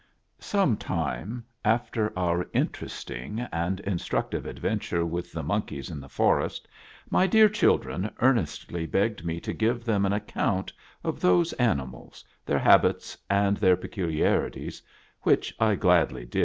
OME time after our interesting and instructive adven ture with the mon keys in the forest, my dear children earnestly begged me to give them an account of those animals, their hab its and their pe culiarities, which I gladly did.